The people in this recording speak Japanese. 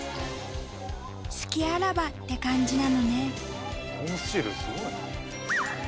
隙あらばって感じなのね。